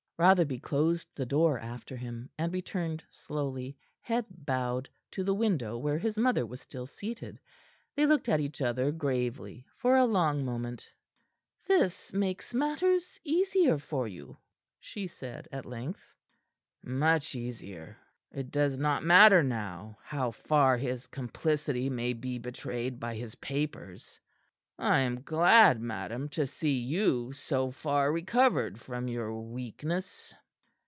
Rotherby closed the door after him, and returned slowly, head bowed, to the window where his mother was still seated. They looked at each other gravely for a long moment. "This makes matters easier for you," she said at length. "Much easier. It does not matter now how far his complicity may be betrayed by his papers. I am glad, madam, to see you so far recovered from your weakness."